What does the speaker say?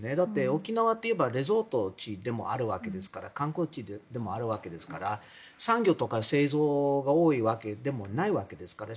沖縄といえばリゾート地でもあるわけですから観光地でもあるわけですから産業とか製造が多いわけでもないわけですから。